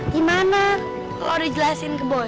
gimana lo udah jelasin ke boi